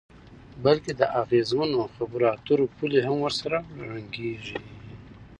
بلکې د اغیزمنو خبرو اترو پولې هم ورسره ړنګیږي.